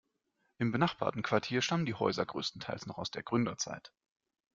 Im benachbarten Quartier stammen die Häuser größtenteils noch aus der Gründerzeit.